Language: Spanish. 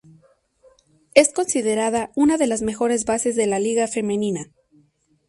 Es considerada una de las mejores bases de la liga femenina.